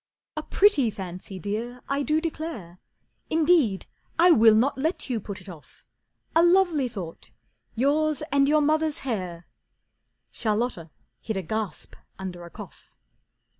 "A pretty fancy, Dear, I do declare. Indeed I will not let you put it off. A lovely thought: yours and your mother's hair!" Charlotta hid a gasp under a cough.